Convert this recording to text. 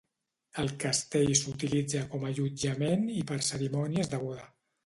El castell s'utilitza com allotjament i per cerimònies de boda.